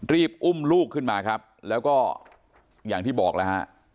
รีบอุ้มลูกขึ้นมาครับแล้วก็อย่างที่บอกแล้วฮะ